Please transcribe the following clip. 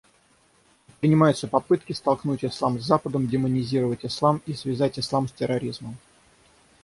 Предпринимаются попытки столкнуть ислам с Западом, демонизировать ислам и связать ислам с терроризмом.